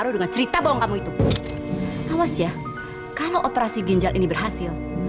tadi ana mampir ke rumah teman sebentar